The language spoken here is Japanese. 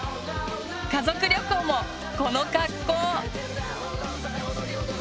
家族旅行もこの格好！